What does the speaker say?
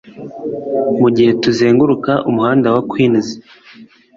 mugihe tuzenguruka umuhanda wa queens